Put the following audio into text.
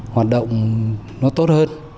hoạt động nó tốt hơn